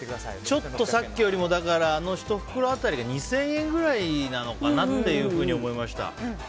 ちょっと、さっきよりもあの１袋当たりが２０００円くらいなのかなっていうふうに思いました。